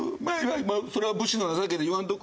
まあそれは武士の情けで言わんとくわ。